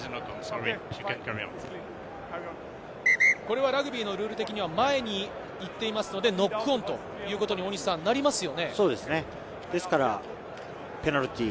これはラグビーのルール的には前に行っていますので、ノックオンということになりますよね。